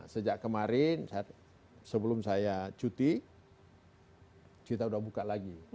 sejak kemarin sebelum saya cuti kita sudah buka lagi